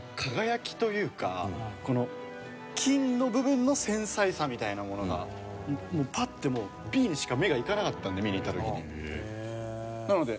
金の部分の繊細さみたいなものがパッてもうＢにしか目がいかなかったんで見に行った時に。